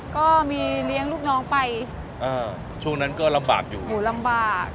ก็มีเลี้ยงลูกน้องไปอ่าช่วงนั้นก็ลำบากอยู่หูลำบาก